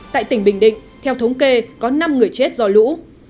tại tỉnh bình định theo thống kê có năm người chết do lũ